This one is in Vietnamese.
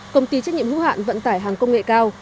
công ty trách nhiệm hữu hạn vận tải hàng công nghệ cao